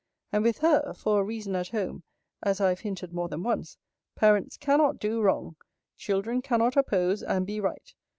And with her, for a reason at home, as I have hinted more than once, parents cannot do wrong; children cannot oppose, and be right.